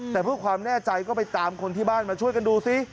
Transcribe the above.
แต่เพื่อความแน่ใจก็ไปตามคนที่บ้านมาช่วยกันดูซิ